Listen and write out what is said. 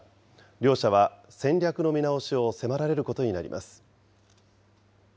両社は戦略の見直しを迫られることになります。